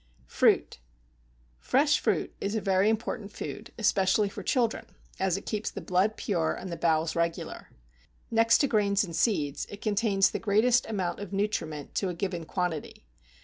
=Fruit.= Fresh fruit is a very important food, especially for children, as it keeps the blood pure, and the bowels regular. Next to grains and seeds, it contains the greatest amount of nutriment to a given quantity.